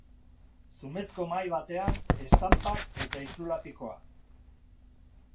Zumezko mahai batean, estanpak eta itsulapikoa.